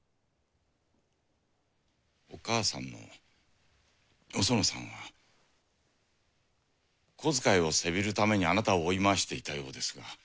お母さんのお園さんは小遣いをせびるためにあなたを追い回していたようですが。